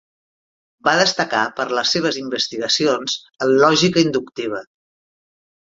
Va destacar per les seves investigacions en lògica inductiva.